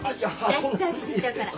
大サービスしちゃうから。